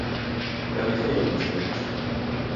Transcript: Què li feien les llums?